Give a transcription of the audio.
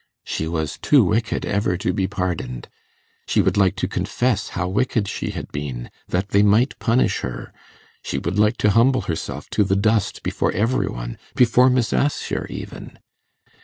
She was too wicked ever to be pardoned. She would like to confess how wicked she had been, that they might punish her; she would like to humble herself to the dust before every one before Miss Assher even.